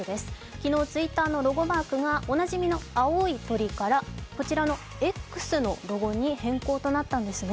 昨日、Ｔｗｉｔｔｅｒのロゴマークがおなじみの青い鳥からこちらのＸのロゴに変更となったんですね。